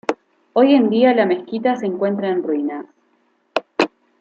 Hoy en día la mezquita se encuentra en ruinas.